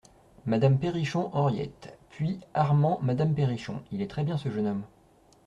Madame Perrichon, Henriette ; puis ARMAND MADAME PERRICHON Il est très-bien, ce jeune homme !